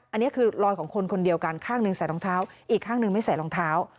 อันนี้คือรอยของคนคนเดียวกันข้างหนึ่งใส่รองเท้าอีกข้างหนึ่งไม่ใส่รองเท้า